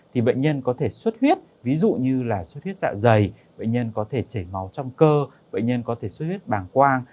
thì bệnh nhân có thể suất huyết ví dụ như là suốt huyết dạ dày bệnh nhân có thể chảy máu trong cơ bệnh nhân có thể xuất huyết bàng quang